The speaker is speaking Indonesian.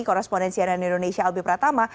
korespondensi ann indonesia albi pratama